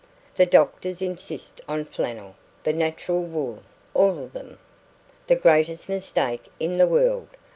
"The doctors insist on flannel the natural wool all of them." "The greatest mistake in the world.